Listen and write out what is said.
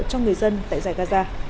cho người dân tại giải gaza